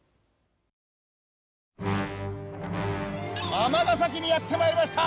尼崎にやって参りました！